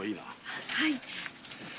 はい。